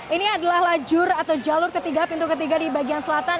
ini adalah lajur atau jalur ketiga pintu ketiga di bagian selatan